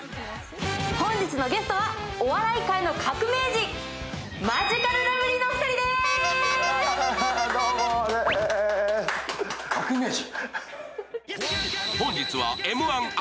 本日のゲストはお笑い会の革命児、マヂカルラブリーのお二人です革命児。